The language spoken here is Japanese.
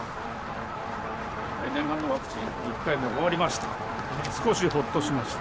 念願のワクチン、１回目終わりました。